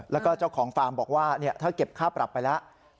แล้วก็เจ้าของฟาร์มบอกว่าถ้าเก็บค่าปรับไปแล้ว